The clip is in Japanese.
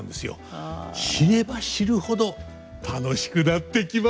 知れば知るほど楽しくなってきますよ！